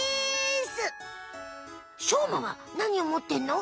しょうまはなにをもってんの？